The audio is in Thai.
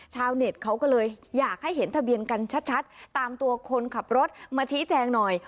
ชาวเน็ตเขาก็เลยอยากให้เห็นทะเบียนกันชัดตามตัวคนขับรถมาชี้แจงหน่อย